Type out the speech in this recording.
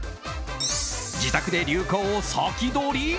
自宅で流行を先取り！